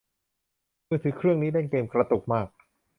มือถือเครื่องนี้เล่นเกมกระตุกมาก